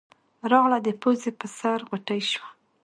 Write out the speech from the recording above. راغله د پوزې پۀ سر غوټۍ شوه